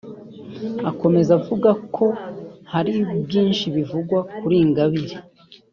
Akomeza avuga ko hari byinshi bivugwa kuri Ingabire